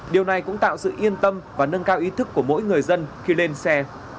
điều này cũng tạo sự yên tâm và nâng cao ý thức của mỗi người dân khi lên xe